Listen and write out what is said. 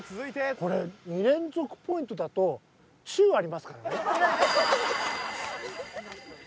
これ２連続ポイントだとチューありますからね。